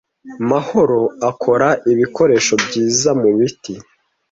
Mahoro akora ibikoresho byiza mubiti.